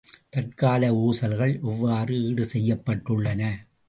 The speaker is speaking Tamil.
தற்கால ஊசல்கள் எவ்வாறு ஈடு செய்யப்பட்டுள்ளன?